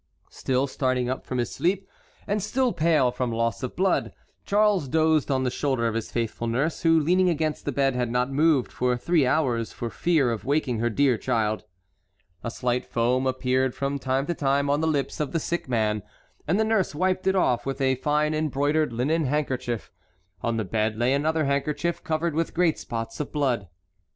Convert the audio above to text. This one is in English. Still starting up from his sleep, and still pale from loss of blood, Charles dozed on the shoulder of his faithful nurse, who leaning against the bed had not moved for three hours for fear of waking her dear child. A slight foam appeared from time to time on the lips of the sick man, and the nurse wiped it off with a fine embroidered linen handkerchief. On the bed lay another handkerchief covered with great spots of blood.